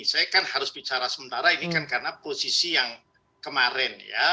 saya kan harus bicara sementara ini kan karena posisi yang kemarin ya